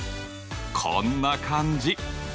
こんな感じ。